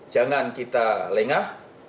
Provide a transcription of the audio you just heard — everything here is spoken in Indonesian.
jangan kita lengah